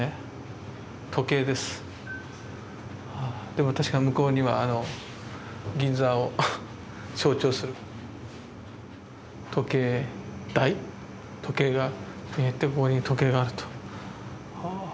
でも確か向こうにはあの銀座を象徴する時計台時計が見えてここに時計があると。は。